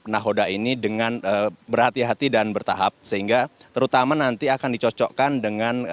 nahoda ini dengan berhati hati dan bertahap sehingga terutama nanti akan dicocokkan dengan